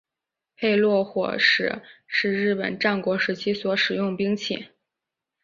焙烙火矢是日本战国时代所使用兵器。